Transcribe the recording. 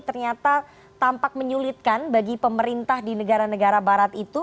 ternyata tampak menyulitkan bagi pemerintah di negara negara barat itu